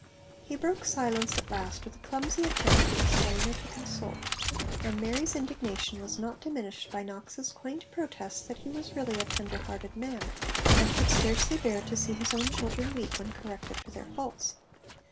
He broke silence at last with a clumsy attempt to explain or to console; and Mary's indignation was not diminished by Knox's quaint protest that he was really a tenderhearted man, and could scarcely bear to see his own children weep when corrected for their faults.